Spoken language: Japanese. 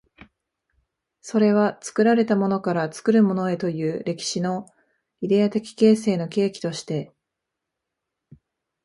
それは作られたものから作るものへという歴史のイデヤ的形成の契機として、